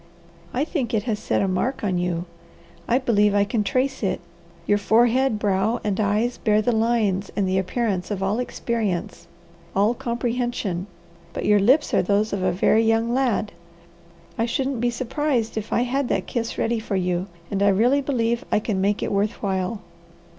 "I think it has set a mark on you. I believe I can trace it. Your forehead, brow, and eyes bear the lines and the appearance of all experience, all comprehension, but your lips are those of a very young lad. I shouldn't be surprised if I had that kiss ready for you, and I really believe I can make it worth while."